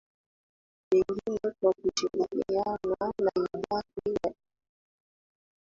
mengine kwa kushirikiana na idara ya Elimu